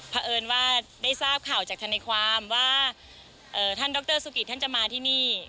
เพราะเอิญว่าได้ทราบข่าวจากธนายความว่าท่านดรสุกิตท่านจะมาที่นี่